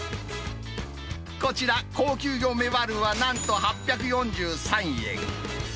こちら、高級魚メバルは、なんと８４３円。